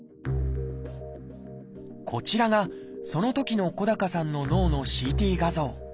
こちらがそのときの小高さんの脳のＣＴ画像。